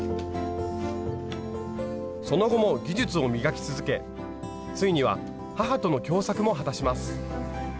その後も技術を磨き続けついには母との共作も果たします。